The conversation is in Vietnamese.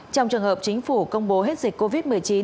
trong trường hợp chính phủ công bố hết dịch covid một mươi chín